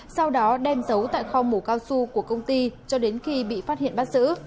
sau đó đem giấu tại kho mù cao su của công ty cho đến khi bị phát hiện bắt giữ